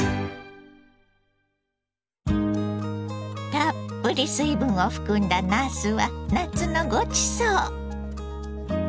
たっぷり水分を含んだなすは夏のごちそう！